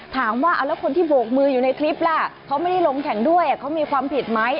ถามว่าเอาแล้วคนที่โบกมืออยู่ในคลิปล่ะเขาไม่ได้ลงแข่งด้วยเขามีความผิดไหม